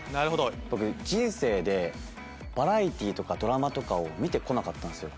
僕人生でバラエティーとかドラマとかを見て来なかったんですよ。